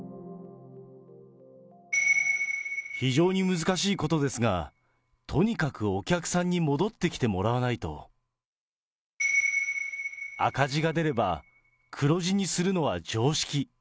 非常に難しいことですが、とにかくお客さんに戻って来てもらわないと。赤字が出れば、黒字にするのは常識。